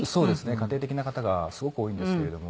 家庭的な方がすごく多いんですけれども。